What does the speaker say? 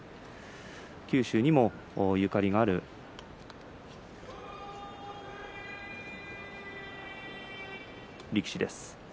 九州にもゆかりがある力士です。